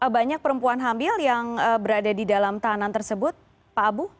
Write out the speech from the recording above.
banyak perempuan hamil yang berada di dalam tahanan tersebut pak abu